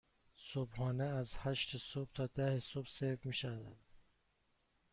صبحانه از هشت صبح تا ده صبح سرو می شود.